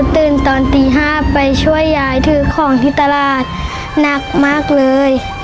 ตื่นตอนตี๕ไปช่วยยายถือของที่ตลาดหนักมากเลย